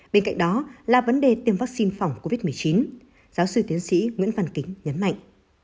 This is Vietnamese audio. bên cạnh đó là vấn đề tiêm vaccine phòng covid một mươi chín giáo sư tiến sĩ nguyễn văn kính nhấn mạnh